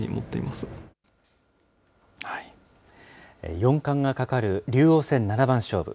四冠がかかる竜王戦七番勝負。